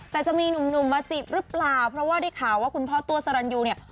แต่จะมีหนุ่มมาจีบหรือเปล่าเพราะว่าได้ข่าวว่าคุณพ่อตัวสรรยูเนี่ย